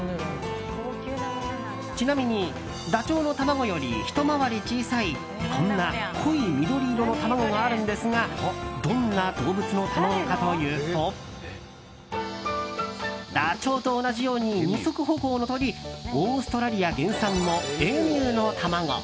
ちなみにダチョウの卵よりひと回り小さいこんな濃い緑色の卵があるんですがどんな動物の卵かというとダチョウと同じように二足歩行の鳥オーストラリア原産のエミューの卵。